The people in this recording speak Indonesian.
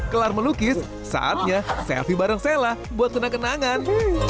kelar melukis saatnya selfie bareng sela buat kena kenangan